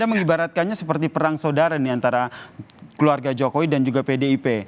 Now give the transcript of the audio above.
mengibaratkannya seperti perang saudara nih antara keluarga jokowi dan juga pdip